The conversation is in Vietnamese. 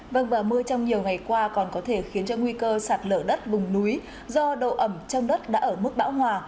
vâng và mưa trong nhiều ngày qua còn có thể khiến cho nguy cơ sạt lở đất vùng núi do độ ẩm trong đất đã ở mức bão hòa